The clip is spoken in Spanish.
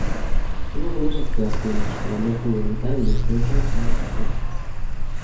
Tuvo buenas actuaciones pero no puedo evitar el descenso del Argyle.